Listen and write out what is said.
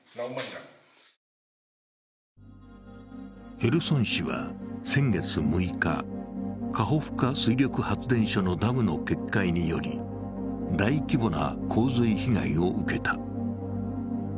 ヘルソン市は先月６日、カホフカ水力発電所のダムの決壊により、大規模な洪水被害を受けた。